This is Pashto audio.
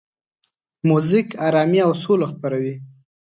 موزیک آرامي او سوله خپروي.